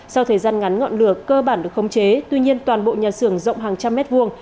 sau thời gian ngắn ngọn lửa cơ bản được khống chế tuy nhiên toàn bộ nhà xưởng rộng hàng trăm mét vuông